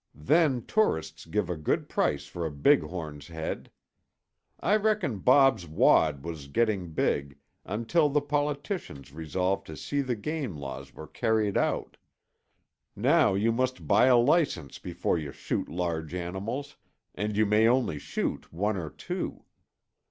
Then tourists give a good price for a big horn's head. I reckon Bob's wad was getting big, until the politicians resolved to see the game laws were carried out. Now you must buy a license before you shoot large animals, and you may only shoot one or two.